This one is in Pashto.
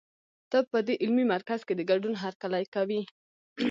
ته په دې علمي مرکز کې د ګډون هرکلی کوي.